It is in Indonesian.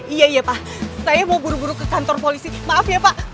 iya iya pak saya mau buru buru ke kantor polisi maaf ya pak